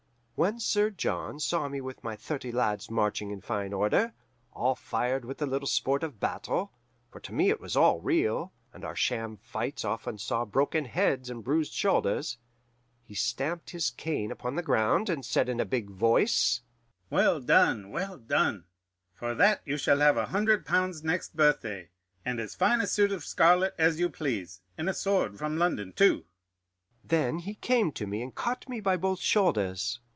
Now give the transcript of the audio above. When Sir John saw me with my thirty lads marching in fine order, all fired with the little sport of battle for to me it was all real, and our sham fights often saw broken heads and bruised shoulders he stamped his cane upon the ground, and said in a big voice, 'Well done! well done! For that you shall have a hundred pounds next birthday, and as fine a suit of scarlet as you please, and a sword from London too.' "Then he came to me and caught me by both shoulders.